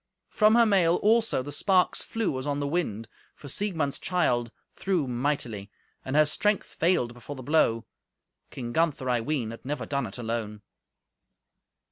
From her mail, also, the sparks flew as on the wind, for Siegmund's child threw mightily; and her strength failed before the blow. King Gunther, I ween, had never done it alone.